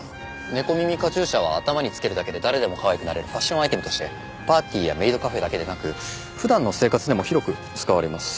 猫耳カチューシャは頭につけるだけで誰でもかわいくなれるファッションアイテムとしてパーティーやメイドカフェだけでなく普段の生活でも広く使われます。